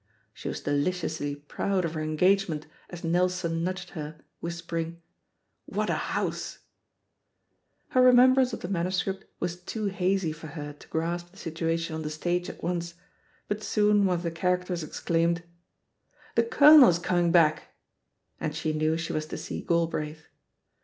She was deliciously proud of her engagement as Nelson nudged her, swhispering, "What a house 1" Her remembrance of the manuscript was too hazy for her to grasp the situation on the stage at once, but soon one of the characters exclaimed, "The Colonel is coming back I" and she knew she was to see Galbraith.